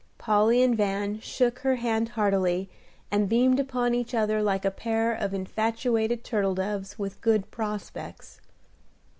Polly and Van shook her hand heartily, and beamed upon each other like a pair of infatuated turtle doves with good prospects.